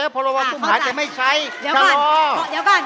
ผลบ่ออุ่มหายแต่ไม่ใช่ชะลอ